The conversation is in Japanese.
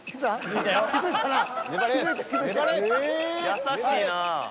［優しいな］